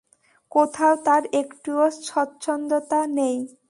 কোথাও তার একটুও স্বচ্ছন্দতা নেই।